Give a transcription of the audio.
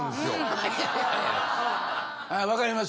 ああ分かります。